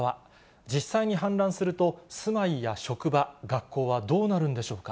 実際に氾濫すると、住まいや職場、学校はどうなるんでしょうか。